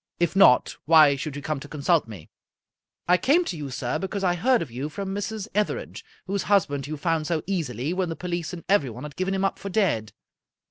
If not, why should you come to consult me?" " I came to you, sir, because I heard of you from Mrs. Etherege, whose husband you found so easily when the police and everyone had given him up for dead.